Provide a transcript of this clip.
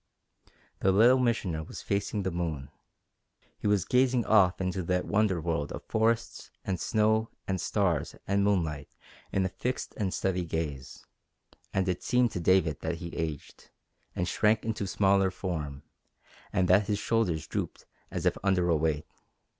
The Little Missioner was facing the moon. He was gazing off into that wonder world of forests and snow and stars and moonlight in a fixed and steady gaze, and it seemed to David that he aged, and shrank into smaller form, and that his shoulders drooped as if under a weight.